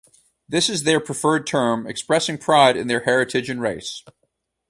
This is their preferred term, expressing pride in their heritage and race.